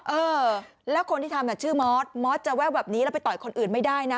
เออแล้วคนที่ทำชื่อมอสมอสจะแววแบบนี้แล้วไปต่อยคนอื่นไม่ได้นะ